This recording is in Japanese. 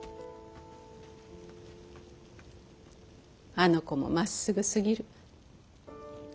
あの子もまっすぐすぎる。